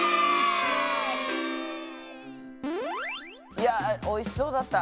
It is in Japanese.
いやおいしそうだった。